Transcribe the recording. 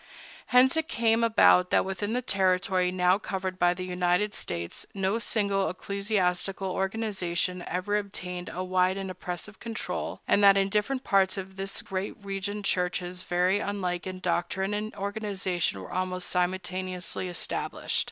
Hence it came about that within the territory now covered by the United States no single ecclesiastical organization ever obtained a wide and oppressive control, and that in different parts of this great region churches very unlike in doctrine and organization were almost simultaneously established.